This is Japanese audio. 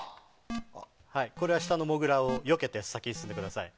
これは下のモグラをよけて先に進んでください。